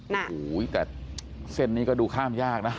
แต่เส้นนี้ก็ดูข้ามยากนะ